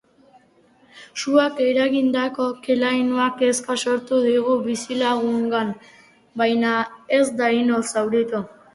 Suak eragindako ke-lainoak kezka sortu du bizilagunengan, baina ez da inor zauritu.